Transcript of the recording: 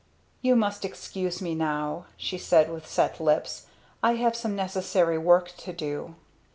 "You must excuse me now," she said with set lips. "I have some necessary work to do."